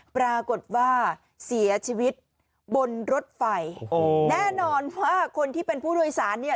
ปรากฏว่าเสียชีวิตบนรถไฟแน่นอนว่าคนที่เป็นผู้โดยสารเนี่ย